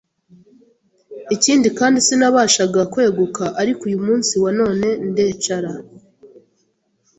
ikindi kandi sinabashaga kweguka ariko uyu munsi wa none ndecara